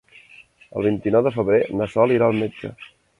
El vint-i-nou de febrer na Sol irà al metge.